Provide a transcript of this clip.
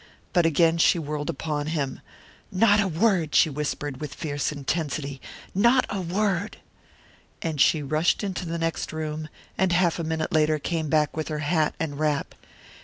But again she whirled upon him. "Not a word!" she whispered, with fierce intensity. "Not a word!" And she rushed into the next room, and half a minute later came back with her hat and wrap.